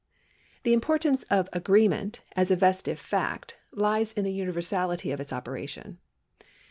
The importance of agreement as a vestitive fact lies in the universality of its operation.